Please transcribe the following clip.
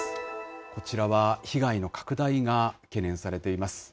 こちらは被害の拡大が懸念されています。